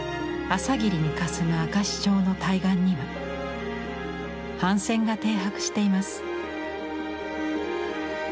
朝霧にかすむ明石町の対岸には帆船が停泊しています。